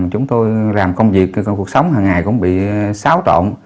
chúng tôi làm công việc cuộc sống hằng ngày cũng bị xáo trộn